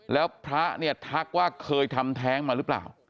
แล้วพระเนี่ยทักว่าเคยทำแท้งมาหรือเปล่า